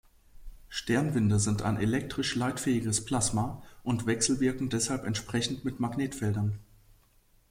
Sternwinde sind ein elektrisch leitfähiges Plasma und wechselwirken deshalb entsprechend mit Magnetfeldern.